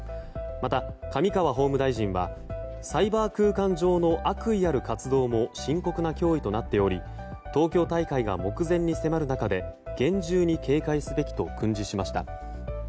また、上川法務大臣はサイバー空間上の悪意ある活動も深刻な脅威となっており東京大会が目前に迫る中で厳重に警戒すべきと訓示しました。